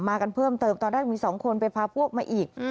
กันเพิ่มเติมตอนแรกมี๒คนไปพาพวกมาอีก